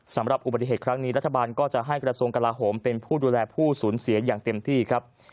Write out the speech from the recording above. สำหรับอุบัติเหตุครั้งนี้รัฐบาลก็จะให้กระทรวงกลาโหมเป็นผู้ดูแลผู้สูญเสียอย่างเต็มที่ครับ